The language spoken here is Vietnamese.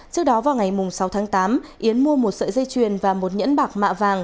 trước đó vào ngày sáu tháng tám yến mua một sợi dây chuyền và một nhẫn bạc mạ vàng